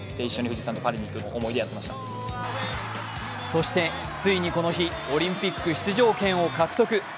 そしてついにこの日オリンピック出場権を獲得。